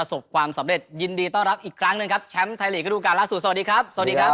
สวัสดีครับสวัสดีครับ